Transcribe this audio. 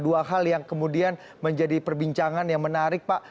dua hal yang kemudian menjadi perbincangan yang menarik pak